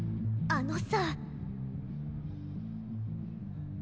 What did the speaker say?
あのさ。